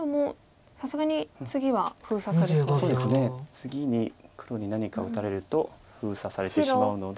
次に黒に何かを打たれると封鎖されてしまうので。